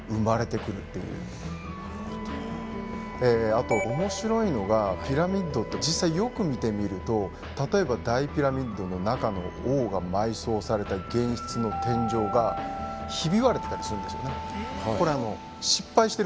あと面白いのがピラミッドって実際よく見てみると例えば大ピラミッドの中の王が埋葬された玄室の天井がひび割れてたりするんですよね。